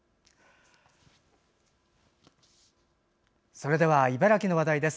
それでは茨城の話題です。